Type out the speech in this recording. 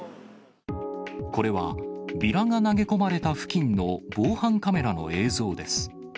これは、ビラが投げ込まれた付近の防犯カメラの映像です。